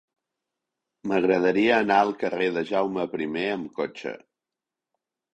M'agradaria anar al carrer de Jaume I amb cotxe.